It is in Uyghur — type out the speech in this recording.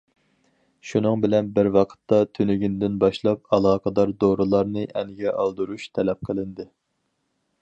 شۇنىڭ بىلەن بىر ۋاقىتتا، تۈنۈگۈندىن باشلاپ، ئالاقىدار دورىلارنى ئەنگە ئالدۇرۇش تەلەپ قىلىندى.